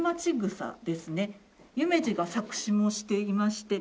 夢二が作詞もしていまして。